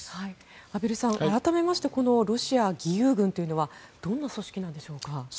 畔蒜さん、改めてこのロシア義勇軍というのはどんな組織なんでしょうか。